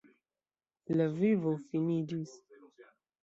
La vivo finiĝis.